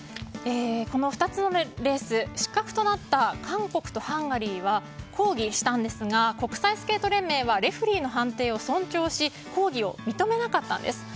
この２つのレース失格となった韓国とハンガリーは抗議したんですが国際スケート連盟はレフェリーの判定を尊重し抗議を認めなかったんです。